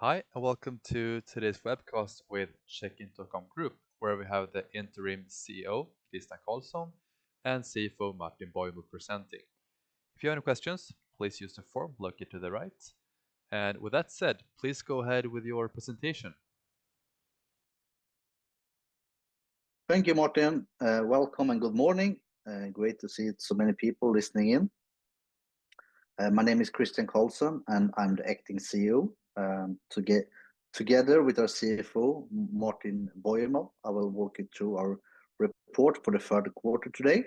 Hi, and welcome to today's webcast with Checkin.com Group, where we have the Interim CEO, Kristoffer Cassel, and CFO, Martin Bäuml, presenting. If you have any questions, please use the form located to the right, and with that said, please go ahead with your presentation. Thank you, Martin. Welcome and good morning. Great to see so many people listening in. My name is Kristoffer Cassel, and I'm the Acting CEO. Together with our CFO, Martin Bäuml, I will walk you through our report for the third quarter today.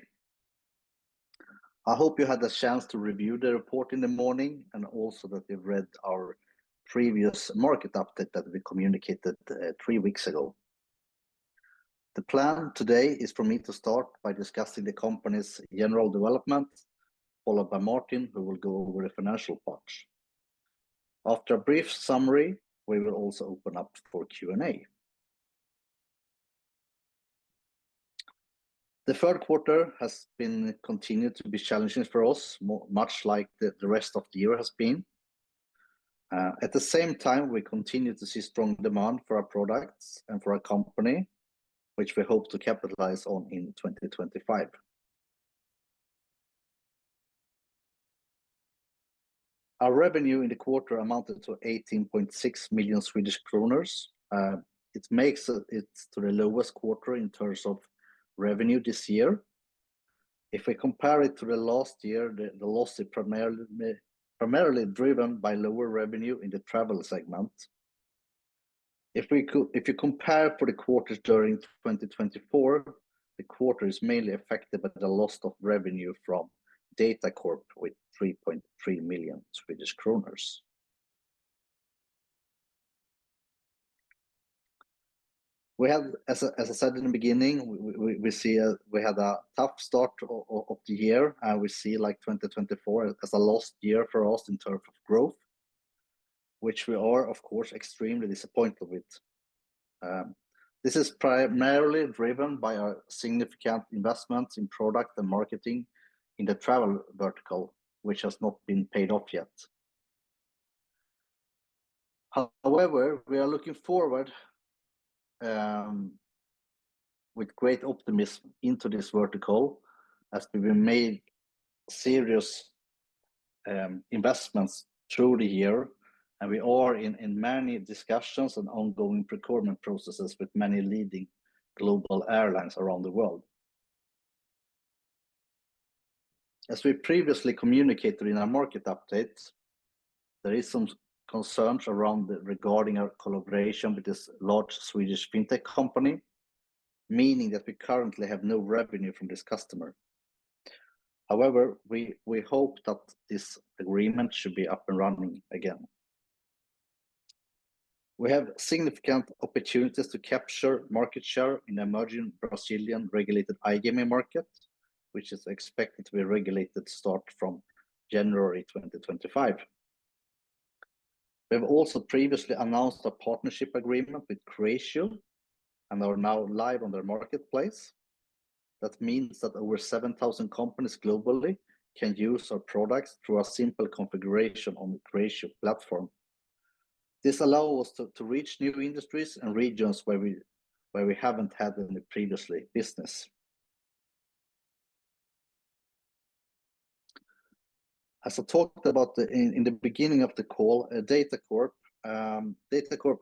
I hope you had a chance to review the report in the morning and also that you've read our previous market update that we communicated three weeks ago. The plan today is for me to start by discussing the company's general development, followed by Martin, who will go over the financial parts. After a brief summary, we will also open up for Q&A. The third quarter has continued to be challenging for us, much like the rest of the year has been. At the same time, we continue to see strong demand for our products and for our company, which we hope to capitalize on in 2025. Our revenue in the quarter amounted to 18.6 million Swedish kronor. It makes it to the lowest quarter in terms of revenue this year. If we compare it to the last year, the loss is primarily driven by lower revenue in the travel segment. If you compare for the quarters during 2024, the quarter is mainly affected by the loss of revenue from Datacorp with SEK 3.3 million. As I said in the beginning, we had a tough start of the year, and we see 2024 as a lost year for us in terms of growth, which we are, of course, extremely disappointed with. This is primarily driven by our significant investments in product and marketing in the travel vertical, which has not been paid off yet. However, we are looking forward with great optimism into this vertical as we made serious investments through the year, and we are in many discussions and ongoing procurement processes with many leading global airlines around the world. As we previously communicated in our market update, there are some concerns regarding our collaboration with this large Swedish fintech company, meaning that we currently have no revenue from this customer. However, we hope that this agreement should be up and running again. We have significant opportunities to capture market share in the emerging Brazilian regulated iGaming market, which is expected to be regulated to start from January 2025. We have also previously announced a partnership agreement with Creatio and are now live on their marketplace. That means that over 7,000 companies globally can use our products through a simple configuration on the Creatio platform. This allows us to reach new industries and regions where we haven't had any previous business. As I talked about in the beginning of the call, Datacorp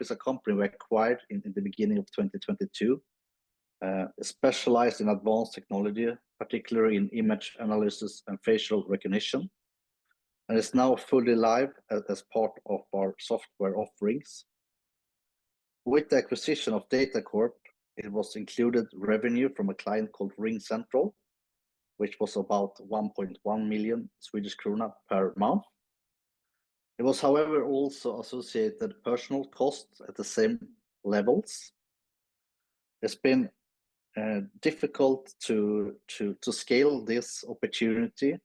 is a company we acquired in the beginning of 2022, specialized in advanced technology, particularly in image analysis and facial recognition, and is now fully live as part of our software offerings. With the acquisition of Datacorp, it was included revenue from a client called RingCentral, which was about 1.1 million Swedish krona per month. It was, however, also associated personnel costs at the same levels. It's been difficult to scale this opportunity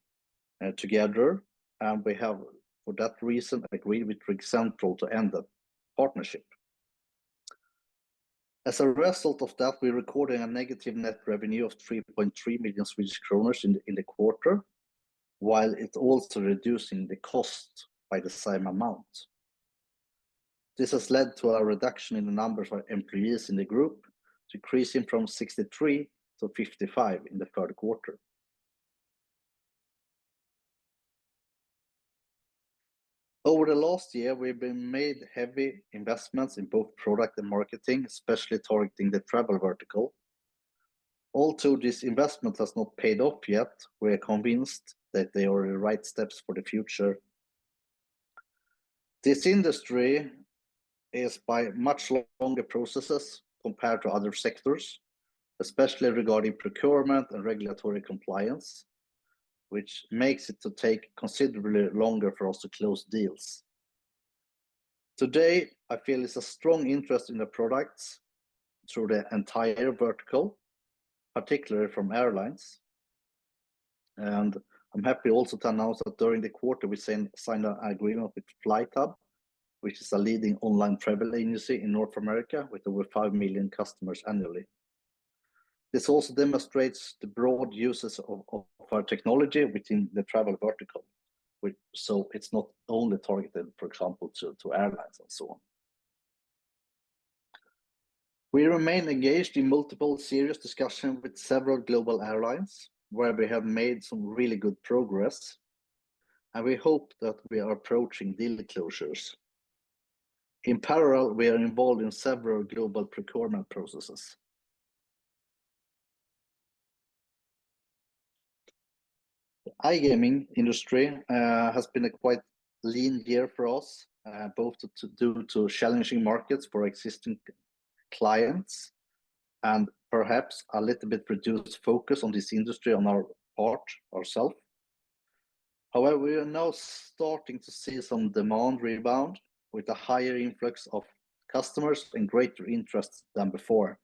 together, and we have, for that reason, agreed with RingCentral to end the partnership. As a result of that, we recorded a negative net revenue of 3.3 million Swedish kronor in the quarter, while it also reduced the cost by the same amount. This has led to a reduction in the number of employees in the group, decreasing from 63 to 55 in the third quarter. Over the last year, we've made heavy investments in both product and marketing, especially targeting the travel vertical. Although this investment has not paid off yet, we are convinced that they are the right steps for the future. This industry has much longer processes compared to other sectors, especially regarding procurement and regulatory compliance, which makes it take considerably longer for us to close deals. Today, I feel there's a strong interest in the products through the entire vertical, particularly from airlines, and I'm happy also to announce that during the quarter, we signed an agreement with FlightHub, which is a leading online travel agency in North America with over 5 million customers annually. This also demonstrates the broad uses of our technology within the travel vertical, so it's not only targeted, for example, to airlines and so on. We remain engaged in multiple serious discussions with several global airlines, where we have made some really good progress, and we hope that we are approaching deal closures. In parallel, we are involved in several global procurement processes. The iGaming industry has been a quite lean year for us, both due to challenging markets for existing clients and perhaps a little bit reduced focus on this industry on our part ourselves. However, we are now starting to see some demand rebound with a higher influx of customers and greater interest than before.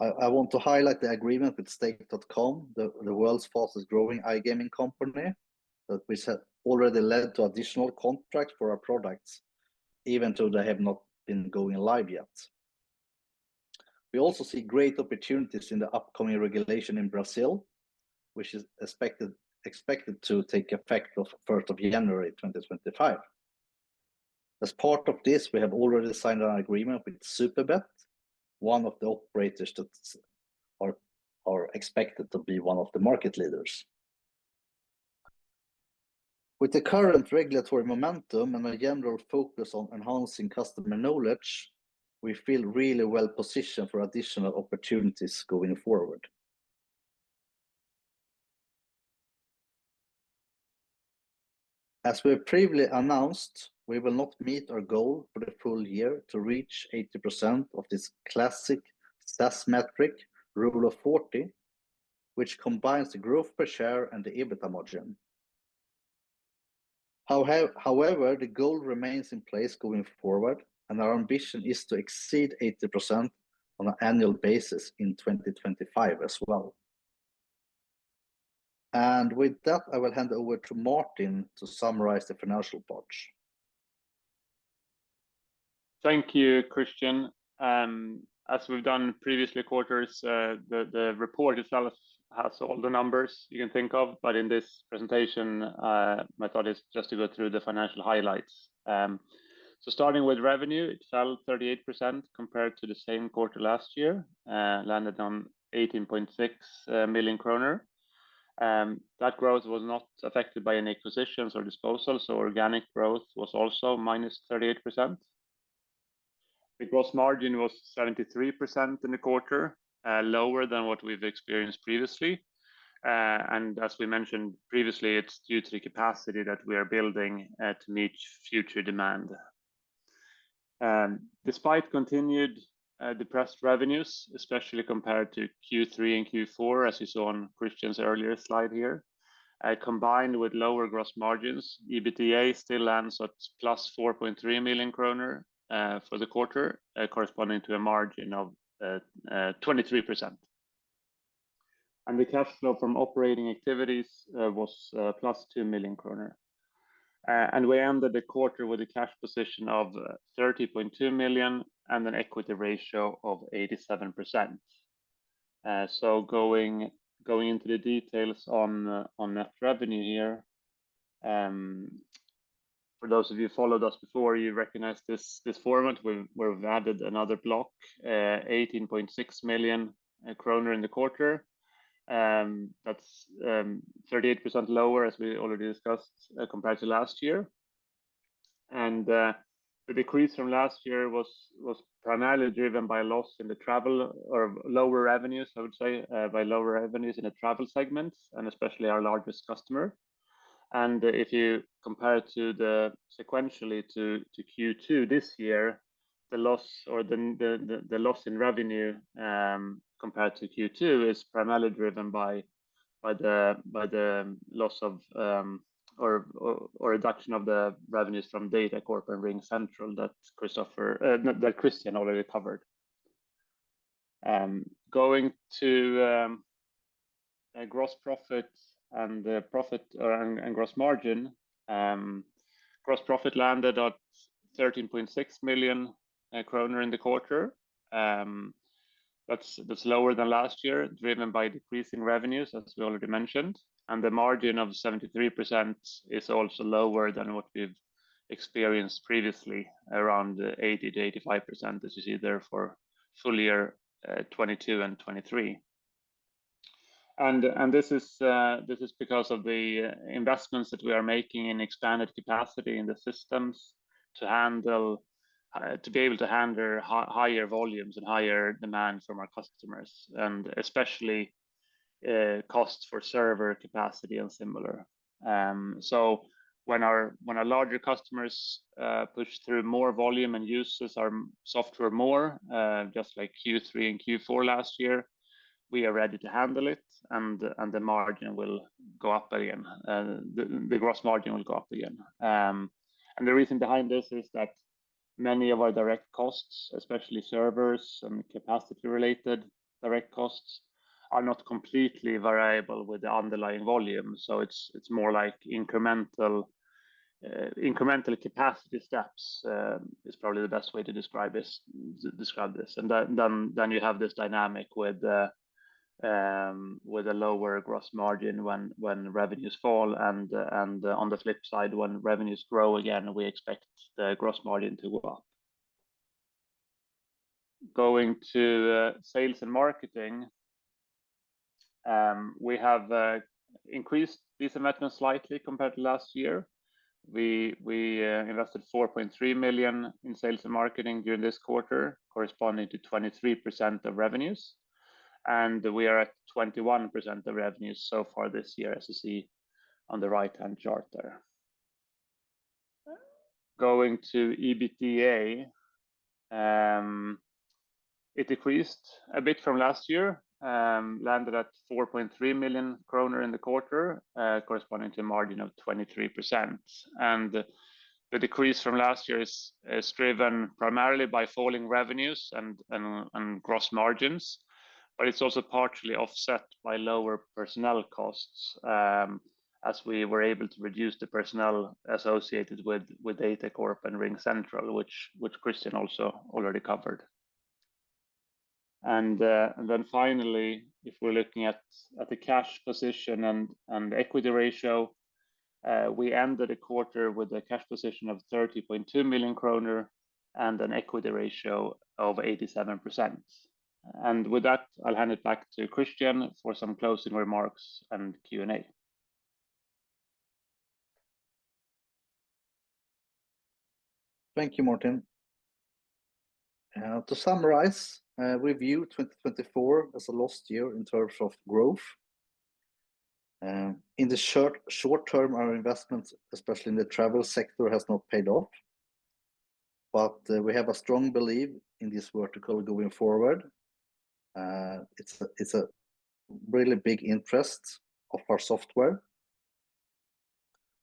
I want to highlight the agreement with Stake.com, the world's fastest growing iGaming company, that we have already led to additional contracts for our products, even though they have not been going live yet. We also see great opportunities in the upcoming regulation in Brazil, which is expected to take effect on the 1st of January 2025. As part of this, we have already signed an agreement with Superbet, one of the operators that are expected to be one of the market leaders. With the current regulatory momentum and a general focus on enhancing customer knowledge, we feel really well positioned for additional opportunities going forward. As we previously announced, we will not meet our goal for the full year to reach 80% of this classic SaaS metric, Rule of 40, which combines the growth per share and the EBITDA margin. However, the goal remains in place going forward, and our ambition is to exceed 80% on an annual basis in 2025 as well. And with that, I will hand over to Martin to summarize the financial parts. Thank you, Kristoffer. As we've done previously quarters, the report itself has all the numbers you can think of, but in this presentation, my thought is just to go through the financial highlights, so starting with revenue, it fell 38% compared to the same quarter last year, landed on 18.6 million kronor. That growth was not affected by any acquisitions or disposals, so organic growth was also minus 38%. The gross margin was 73% in the quarter, lower than what we've experienced previously, and as we mentioned previously, it's due to the capacity that we are building to meet future demand. Despite continued depressed revenues, especially compared to Q3 and Q4, as you saw on Kristoffer's earlier slide here, combined with lower gross margins, EBITDA still lands at plus 4.3 million kronor for the quarter, corresponding to a margin of 23%. The cash flow from operating activities was +2 million kronor. We ended the quarter with a cash position of 30.2 million and an equity ratio of 87%. Going into the details on net revenue here, for those of you who followed us before, you recognize this format where we've added another block, 18.6 million kronor in the quarter. That's 38% lower, as we already discussed, compared to last year. The decrease from last year was primarily driven by loss in the travel or lower revenues, I would say, by lower revenues in the travel segment, and especially our largest customer. If you compare it sequentially to Q2 this year, the loss in revenue compared to Q2 is primarily driven by the loss of or reduction of the revenues from Datacorp and RingCentral that Kristoffer already covered. Going to gross profit and gross margin, gross profit landed at 13.6 million kronor in the quarter. That's lower than last year, driven by decreasing revenues, as we already mentioned. And the margin of 73% is also lower than what we've experienced previously, around 80%-85%, as you see there for full year 2022 and 2023. And this is because of the investments that we are making in expanded capacity in the systems to be able to handle higher volumes and higher demand from our customers, and especially costs for server capacity and similar. So when our larger customers push through more volume and use our software more, just like Q3 and Q4 last year, we are ready to handle it, and the margin will go up again. The gross margin will go up again. The reason behind this is that many of our direct costs, especially servers and capacity-related direct costs, are not completely variable with the underlying volume. So it's more like incremental capacity steps is probably the best way to describe this. And then you have this dynamic with a lower gross margin when revenues fall, and on the flip side, when revenues grow again, we expect the gross margin to go up. Going to sales and marketing, we have increased these investments slightly compared to last year. We invested 4.3 million in sales and marketing during this quarter, corresponding to 23% of revenues. And we are at 21% of revenues so far this year, as you see on the right-hand chart there. Going to EBITDA, it decreased a bit from last year, landed at 4.3 million kronor in the quarter, corresponding to a margin of 23%. And the decrease from last year is driven primarily by falling revenues and gross margins, but it's also partially offset by lower personnel costs, as we were able to reduce the personnel associated with Datacorp and RingCentral, which Kristoffer also already covered. And then finally, if we're looking at the cash position and equity ratio, we ended the quarter with a cash position of 30.2 million kronor and an equity ratio of 87%. And with that, I'll hand it back to Kristoffer for some closing remarks and Q&A. Thank you, Martin. To summarize, we view 2024 as a lost year in terms of growth. In the short term, our investment, especially in the travel sector, has not paid off. But we have a strong belief in this vertical going forward. It's a really big interest of our software.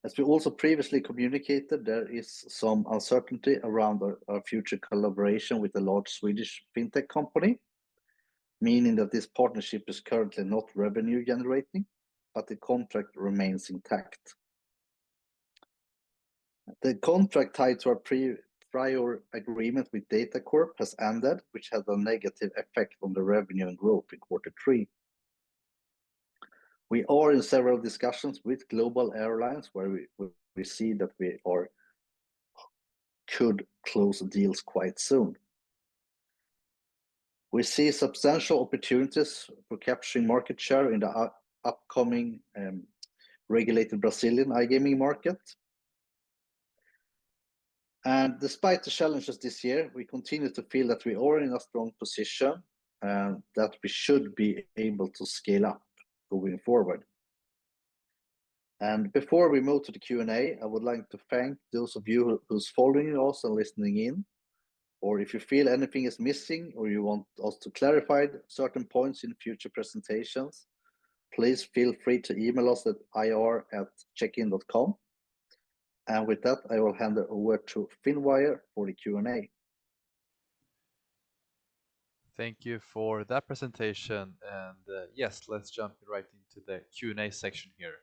As we also previously communicated, there is some uncertainty around our future collaboration with a large Swedish fintech company, meaning that this partnership is currently not revenue-generating, but the contract remains intact. The contract tied to our prior agreement with Datacorp has ended, which had a negative effect on the revenue and growth in quarter three. We are in several discussions with global airlines where we see that we could close deals quite soon. We see substantial opportunities for capturing market share in the upcoming regulated Brazilian iGaming market. Despite the challenges this year, we continue to feel that we are in a strong position and that we should be able to scale up going forward. Before we move to the Q&A, I would like to thank those of you who are following us and listening in. If you feel anything is missing or you want us to clarify certain points in future presentations, please feel free to email us at ir@checkin.com. With that, I will hand it over to Finwire for the Q&A. Thank you for that presentation, and yes, let's jump right into the Q&A section here.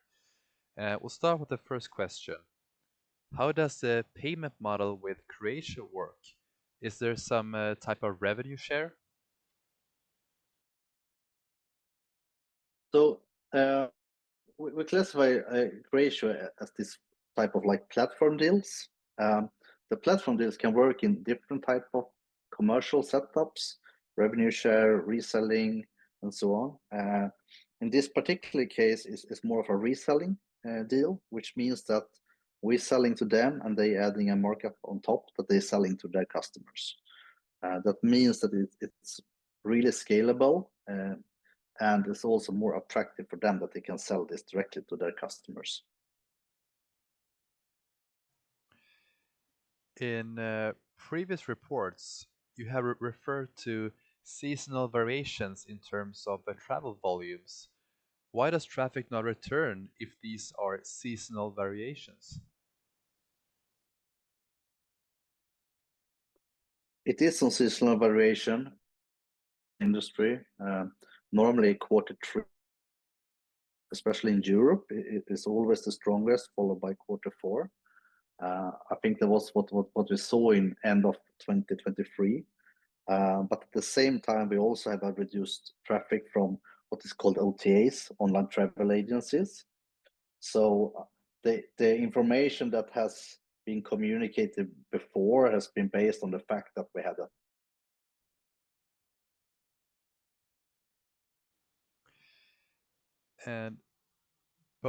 We'll start with the first question. How does the payment model with Creatio work? Is there some type of revenue share? So we classify Creatio as this type of platform deals. The platform deals can work in different types of commercial setups, revenue share, reselling, and so on. In this particular case, it's more of a reselling deal, which means that we're selling to them and they're adding a markup on top that they're selling to their customers. That means that it's really scalable and it's also more attractive for them that they can sell this directly to their customers. In previous reports, you have referred to seasonal variations in terms of the travel volumes. Why does traffic not return if these are seasonal variations? It is a seasonal variation industry. Normally, quarter three, especially in Europe, is always the strongest, followed by quarter four. I think that was what we saw in the end of 2023. But at the same time, we also have a reduced traffic from what is called OTAs, online travel agencies. So the information that has been communicated before has been based on the fact that we had a. And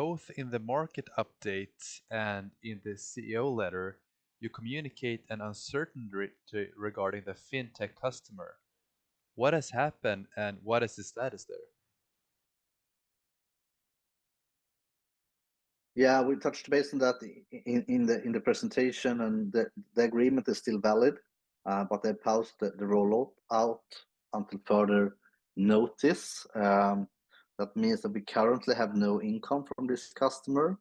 both in the market updates and in the CEO letter, you communicate an uncertainty regarding the fintech customer. What has happened and what is the status there? Yeah, we touched base on that in the presentation, and the agreement is still valid, but they've paused the rollout until further notice. That means that we currently have no income from this customer.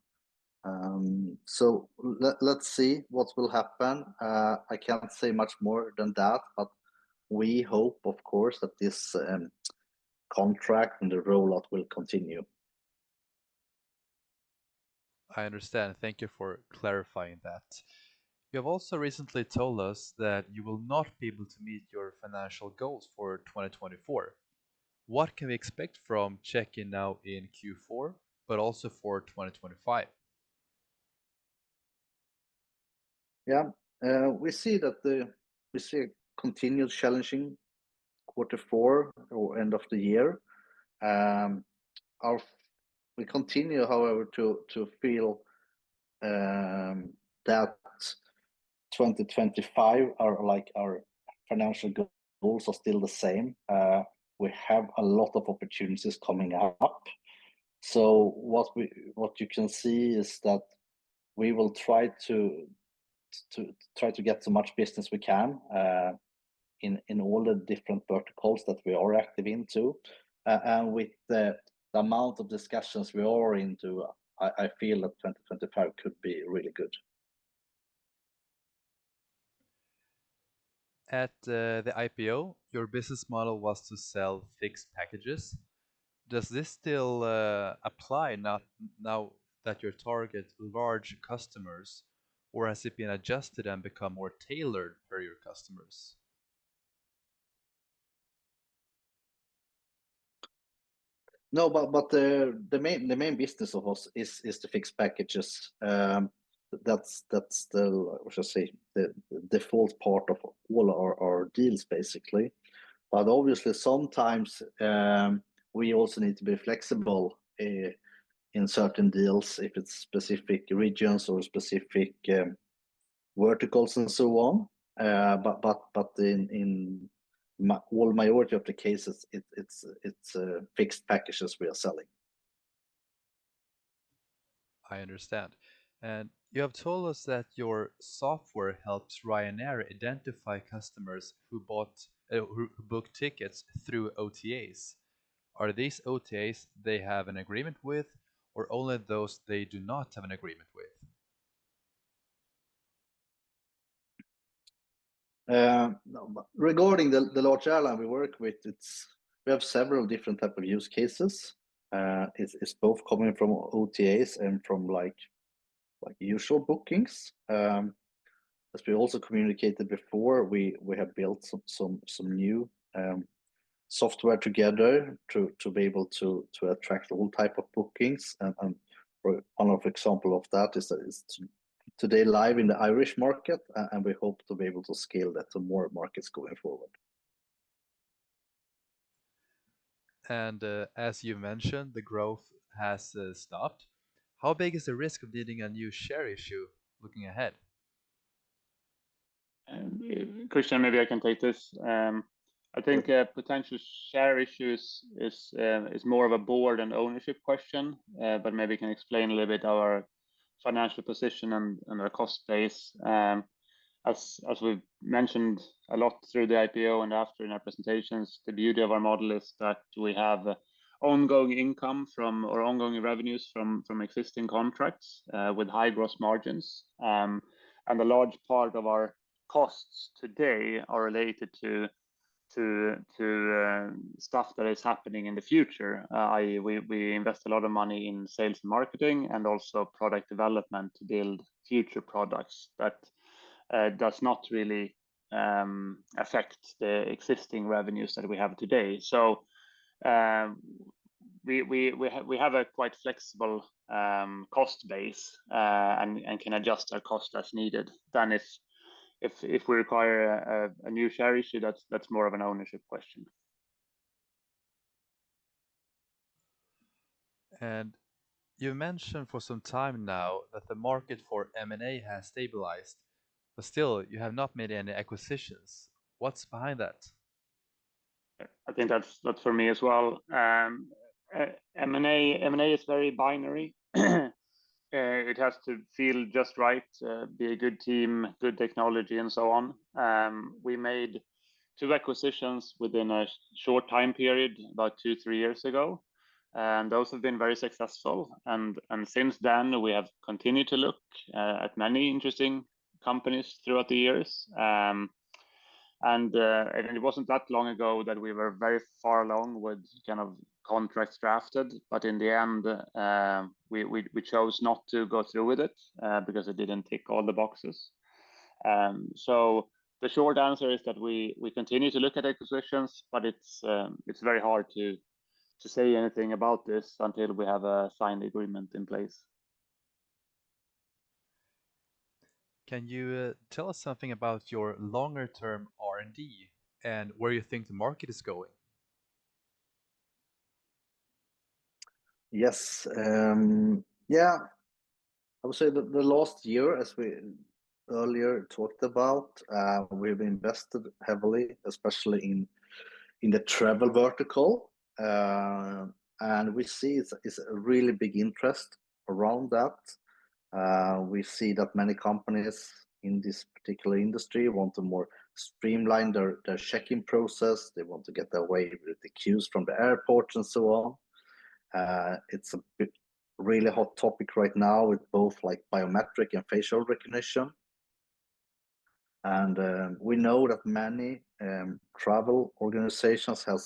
So let's see what will happen. I can't say much more than that, but we hope, of course, that this contract and the rollout will continue. I understand. Thank you for clarifying that. You have also recently told us that you will not be able to meet your financial goals for 2024. What can we expect from Checkin.com now in Q4, but also for 2025? Yeah, we see continued challenging quarter four or end of the year. We continue, however, to feel that 2025, our financial goals are still the same. We have a lot of opportunities coming up. So what you can see is that we will try to get as much business as we can in all the different verticals that we are active in. And with the amount of discussions we are into, I feel that 2025 could be really good. At the IPO, your business model was to sell fixed packages. Does this still apply now that your target large customers or recipient adjusted and become more tailored for your customers? No, but the main business of us is the fixed packages. That's still, I should say, the default part of all our deals, basically. But obviously, sometimes we also need to be flexible in certain deals if it's specific regions or specific verticals and so on. But in the majority of the cases, it's fixed packages we are selling. I understand. And you have told us that your software helps Ryanair identify customers who book tickets through OTAs. Are these OTAs they have an agreement with or only those they do not have an agreement with? Regarding the large airline we work with, we have several different types of use cases. It's both coming from OTAs and from usual bookings. As we also communicated before, we have built some new software together to be able to attract all types of bookings, and one of the examples of that is today live in the Irish market, and we hope to be able to scale that to more markets going forward. As you mentioned, the growth has stopped. How big is the risk of needing a new share issue looking ahead? Kristoffer, maybe I can take this. I think potential share issues is more of a board and ownership question, but maybe we can explain a little bit our financial position and our cost base. As we mentioned a lot through the IPO and after in our presentations, the beauty of our model is that we have ongoing income or ongoing revenues from existing contracts with high gross margins. And a large part of our costs today are related to stuff that is happening in the future. We invest a lot of money in sales and marketing and also product development to build future products that do not really affect the existing revenues that we have today. So we have a quite flexible cost base and can adjust our cost as needed. Then if we require a new share issue, that's more of an ownership question. And you mentioned for some time now that the market for M&A has stabilized, but still you have not made any acquisitions. What's behind that? I think that's for me as well. M&A is very binary. It has to feel just right, be a good team, good technology, and so on. We made two acquisitions within a short time period, about two, three years ago, and those have been very successful, and since then, we have continued to look at many interesting companies throughout the years, and it wasn't that long ago that we were very far along with kind of contracts drafted, but in the end, we chose not to go through with it because it didn't tick all the boxes, so the short answer is that we continue to look at acquisitions, but it's very hard to say anything about this until we have a signed agreement in place. Can you tell us something about your longer-term R&D and where you think the market is going? Yes. Yeah. I would say the last year, as we earlier talked about, we've invested heavily, especially in the travel vertical. And we see it's a really big interest around that. We see that many companies in this particular industry want to more streamline their check-in process. They want to get away with the queues from the airport and so on. It's a really hot topic right now with both biometric and facial recognition. And we know that many travel organizations have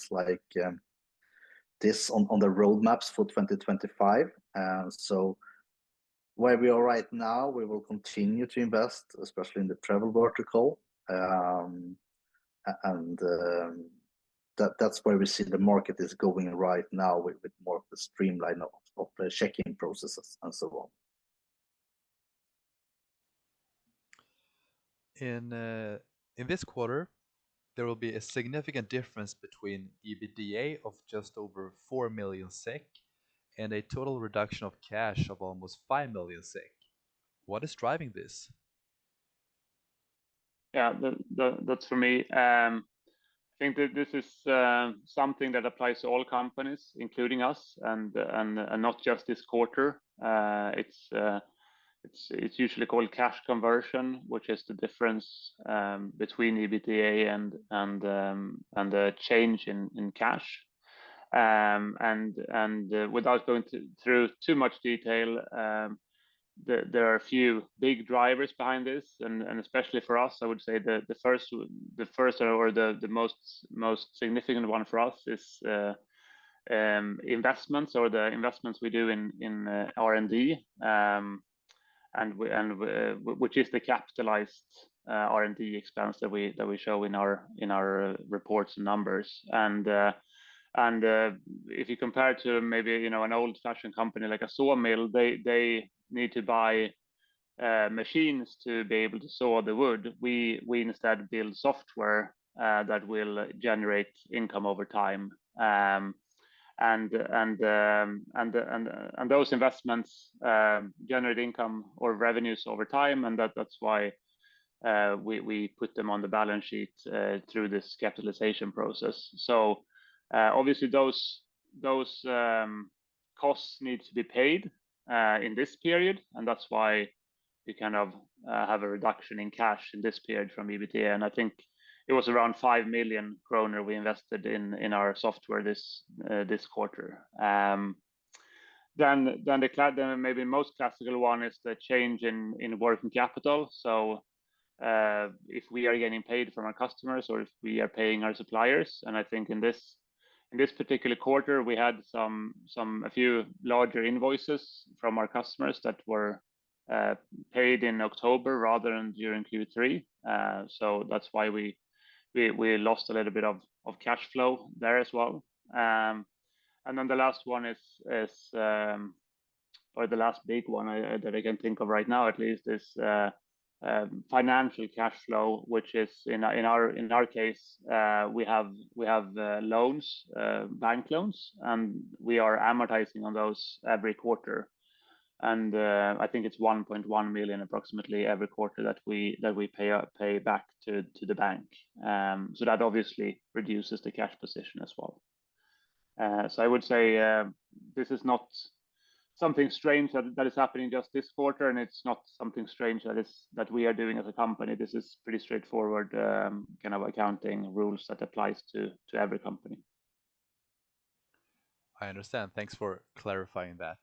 this on their roadmaps for 2025. And so where we are right now, we will continue to invest, especially in the travel vertical. And that's where we see the market is going right now with more of the streamline of the check-in processes and so on. In this quarter, there will be a significant difference between EBITDA of just over 4 million SEK and a total reduction of cash of almost 5 million SEK. What is driving this? Yeah, that's for me. I think this is something that applies to all companies, including us, and not just this quarter. It's usually called cash conversion, which is the difference between EBITDA and the change in cash. And without going through too much detail, there are a few big drivers behind this. And especially for us, I would say the first or the most significant one for us is investments or the investments we do in R&D, which is the capitalized R&D expense that we show in our reports and numbers. And if you compare it to maybe an old-fashioned company like a sawmill, they need to buy machines to be able to saw the wood. We instead build software that will generate income over time. And those investments generate income or revenues over time, and that's why we put them on the balance sheet through this capitalization process. Obviously, those costs need to be paid in this period, and that's why we kind of have a reduction in cash in this period from EBITDA. I think it was around 5 million kronor we invested in our software this quarter. Maybe the most classical one is the change in working capital. If we are getting paid from our customers or if we are paying our suppliers. I think in this particular quarter, we had a few larger invoices from our customers that were paid in October rather than during Q3. That's why we lost a little bit of cash flow there as well. Then the last one is, or the last big one that I can think of right now, at least, is financial cash flow, which is in our case. We have loans, bank loans, and we are amortizing on those every quarter. And I think it's 1.1 million approximately every quarter that we pay back to the bank. So that obviously reduces the cash position as well. So I would say this is not something strange that is happening just this quarter, and it's not something strange that we are doing as a company. This is pretty straightforward kind of accounting rules that apply to every company. I understand. Thanks for clarifying that.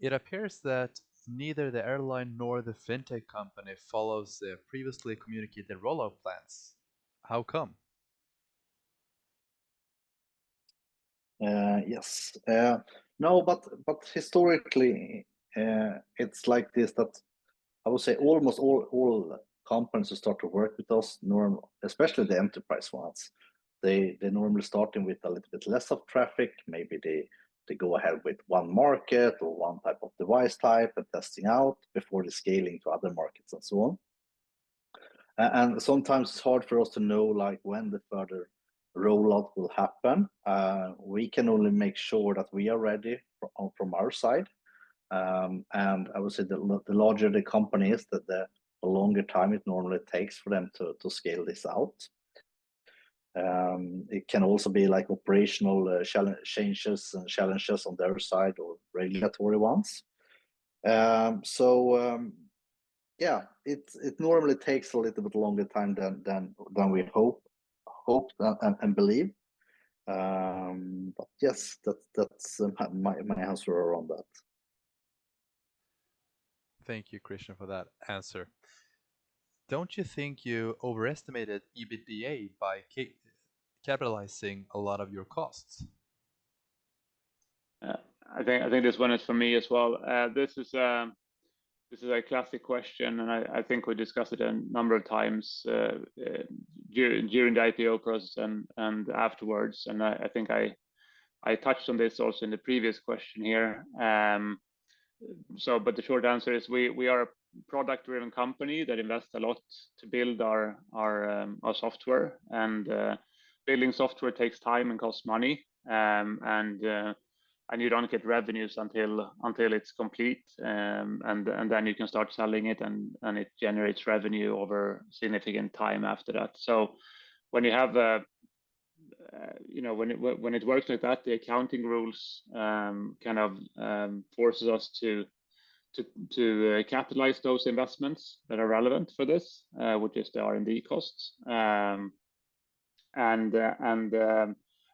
It appears that neither the airline nor the fintech company follows the previously communicated rollout plans. How come? Yes. No, but historically, it's like this that I would say almost all companies who start to work with us, especially the enterprise ones, they normally start with a little bit less of traffic. Maybe they go ahead with one market or one type of device type and testing out before scaling to other markets and so on. And sometimes it's hard for us to know when the further rollout will happen. We can only make sure that we are ready from our side. And I would say the larger the company is, the longer time it normally takes for them to scale this out. It can also be operational changes and challenges on their side or regulatory ones. So yeah, it normally takes a little bit longer time than we hoped and believed. But yes, that's my answer around that. Thank you, Kristoffer, for that answer. Don't you think you overestimated EBITDA by capitalizing a lot of your costs? I think this one is for me as well. This is a classic question, and I think we discussed it a number of times during the IPO process and afterwards, and I think I touched on this also in the previous question here. But the short answer is we are a product-driven company that invests a lot to build our software, and building software takes time and costs money, and you don't get revenues until it's complete. And then you can start selling it, and it generates revenue over significant time after that. So when it works like that, the accounting rules kind of force us to capitalize those investments that are relevant for this, which is the R&D costs.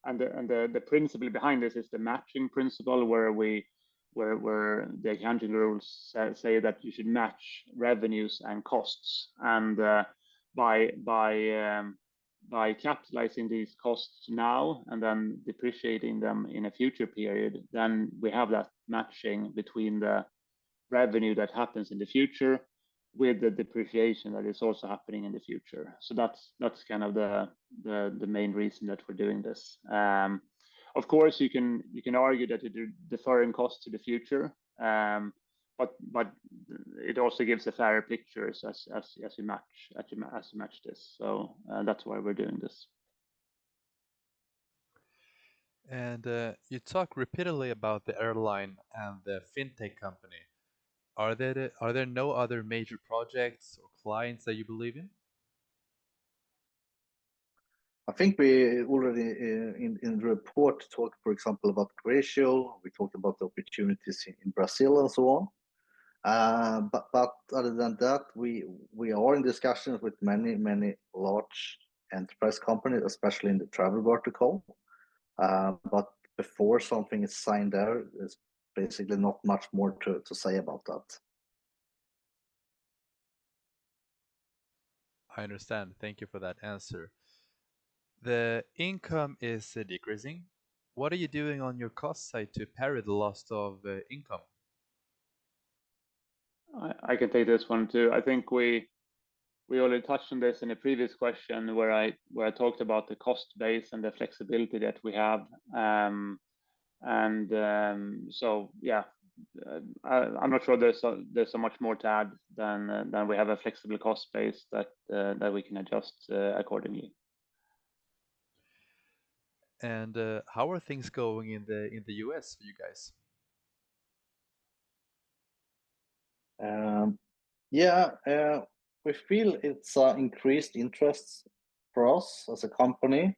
And the principle behind this is the matching principle where the accounting rules say that you should match revenues and costs and by capitalizing these costs now and then depreciating them in a future period, then we have that matching between the revenue that happens in the future with the depreciation that is also happening in the future. so that's kind of the main reason that we're doing this. Of course, you can argue that you're deferring costs to the future, but it also gives a fairer picture as you match this. so that's why we're doing this. And you talk repeatedly about the airline and the fintech company. Are there no other major projects or clients that you believe in? I think we already in the report talked, for example, about Creatio. We talked about the opportunities in Brazil and so on. But other than that, we are in discussions with many, many large enterprise companies, especially in the travel vertical. But before something is signed there, there's basically not much more to say about that. I understand. Thank you for that answer. The income is decreasing. What are you doing on your cost side to pare the loss of income? I can take this one too. I think we already touched on this in a previous question where I talked about the cost base and the flexibility that we have. And so yeah, I'm not sure there's so much more to add than we have a flexible cost base that we can adjust accordingly. How are things going in the U.S. for you guys? Yeah, we feel it's increased interest for us as a company.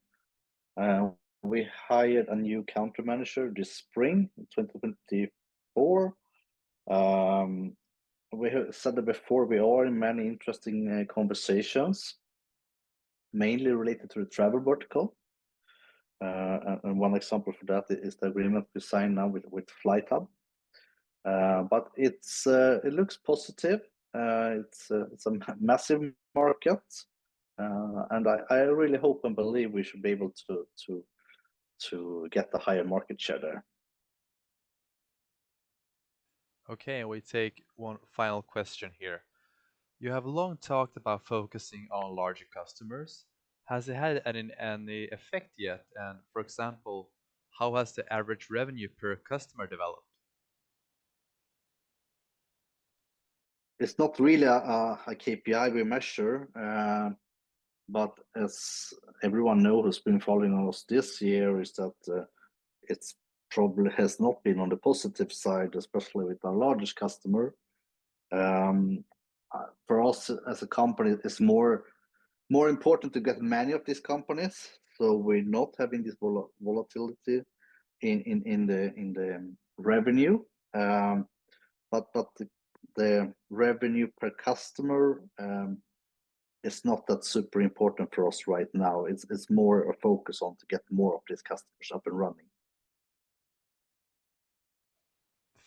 We hired a new accounting manager this spring in 2024. We said it before, we are in many interesting conversations, mainly related to the travel vertical, and one example for that is the agreement we signed now with FlightHub, but it looks positive. It's a massive market, and I really hope and believe we should be able to get the higher market share there. Okay, we take one final question here. You have long talked about focusing on larger customers. Has it had any effect yet? And for example, how has the average revenue per customer developed? It's not really a KPI we measure, but as everyone knows who's been following us this year, it's probably has not been on the positive side, especially with our largest customer. For us as a company, it's more important to get many of these companies, so we're not having this volatility in the revenue, but the revenue per customer is not that super important for us right now. It's more a focus on to get more of these customers up and running.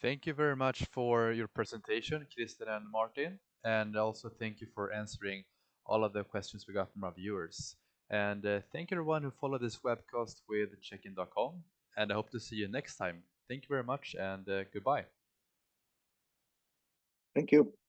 Thank you very much for your presentation, Kristoffer and Martin. And also thank you for answering all of the questions we got from our viewers. And thank you everyone who followed this webcast with Checkin.com. And I hope to see you next time. Thank you very much and goodbye. Thank you.